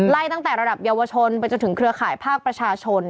ตั้งแต่ระดับเยาวชนไปจนถึงเครือข่ายภาคประชาชน